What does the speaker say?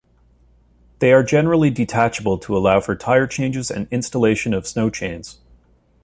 They are generally detachable to allow for tire changes and installation of snow chains.